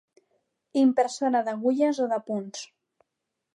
Impressora d'agulles o de punts.